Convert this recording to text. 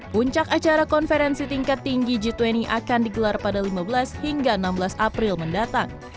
puncak acara konferensi tingkat tinggi g dua puluh akan digelar pada lima belas hingga enam belas april mendatang